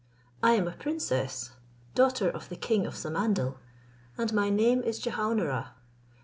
I am a princess, daughter of the king of Samandal, and my name is Jehaun ara.